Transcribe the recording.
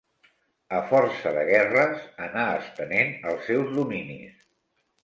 A força de guerres, anà estenent els seus dominis.